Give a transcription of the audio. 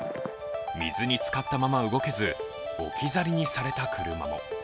水に浸かったまま動けず、置き去りにされた車も。